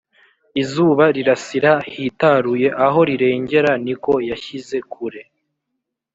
izuba rirasira hitaruye aho rirengera ni ko yashyize kure